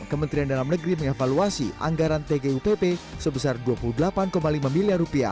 kementerian dalam negeri mengevaluasi anggaran tgupp sebesar rp dua puluh delapan lima miliar